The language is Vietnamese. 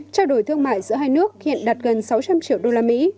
trao đổi thương mại giữa hai nước hiện đạt gần sáu trăm linh triệu đô la mỹ